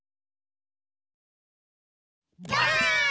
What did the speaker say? ばあっ！